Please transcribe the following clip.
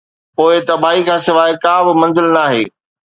پوءِ تباهي کان سواءِ ڪا به منزل ناهي.